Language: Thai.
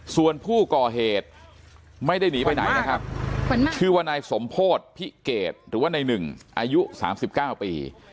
ส่วนผู้ก่อเหตุไม่ได้หนีไปไหนนะครับชื่อว่านายสมโพธิพิเกตหรือว่าในหนึ่งอายุ๓๙ปี